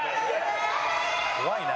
怖いな。